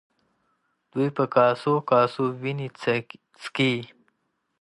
دوی په کاسو کاسو وینې څښي.